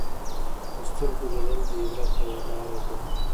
په سترګو لیدل د عبرت یوه لاره ده